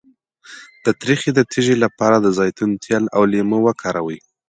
د تریخي د تیږې لپاره د زیتون تېل او لیمو وکاروئ